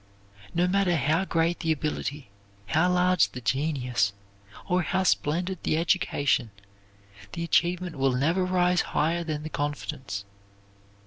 No matter how great the ability, how large the genius, or how splendid the education, the achievement will never rise higher than the confidence.